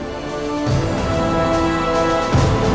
serati bundaku ke penjar